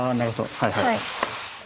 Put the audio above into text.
はいはい。